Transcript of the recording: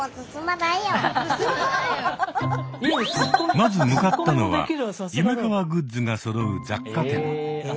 まず向かったのはゆめかわグッズがそろう雑貨店。